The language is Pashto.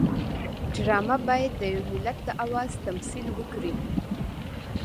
ډرامه باید د یو ملت د آواز تمثیل وکړي